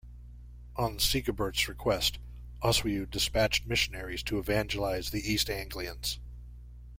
On Sigeberht's request, Oswiu dispatched missionaries to evangelise the East Anglians.